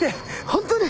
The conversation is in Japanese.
ホントに。